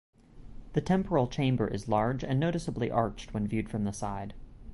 The temporal chamber is large and noticeably arched when viewed from the side.